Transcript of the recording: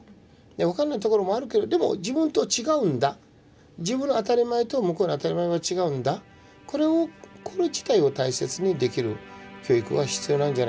分からないところもあるけどでも自分と違うんだ自分の当たり前と向こうの当たり前は違うんだこれ自体を大切にできる教育が必要なんじゃないかなと思うんですね。